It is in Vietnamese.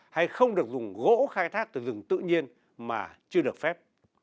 hay không được dùng gỗ khai thác từ rừng tự nhiên mà chưa được phép